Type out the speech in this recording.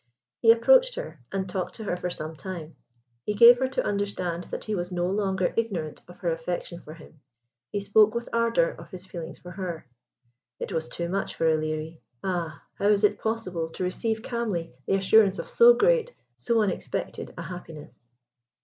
He approached her, and talked to her for some time. He gave her to understand that he was no longer ignorant of her affection for him. He spoke with ardour of his feelings for her. It was too much for Ilerie. Ah! how is it possible to receive calmly the assurance of so great so unexpected a happiness.